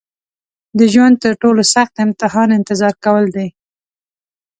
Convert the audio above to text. د ژوند تر ټولو سخت امتحان انتظار کول دي.